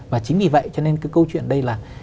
và chính vì vậy cho nên cái câu chuyện ở đây là